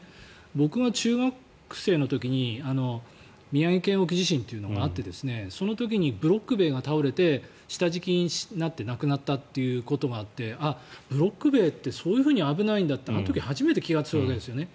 僕が中学生の時に宮城県沖地震というのがあってその時にブロック塀が倒れて下敷きになって亡くなったということがあってブロック塀ってそういうふうに危ないんだってあの時初めて気付いたんですよね。